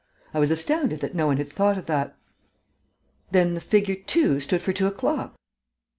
I was astounded that no one had thought of that." "Then the figure 2 stood for two o'clock?"